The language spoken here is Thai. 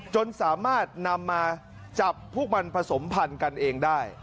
จนสามารถนำมาจับพวกมันผสมพันธุ์กันเองได้